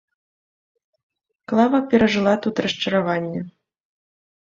Клава перажыла тут расчараванне.